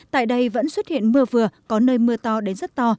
tại đây vẫn xuất hiện mưa vừa có nơi mưa to đến rất to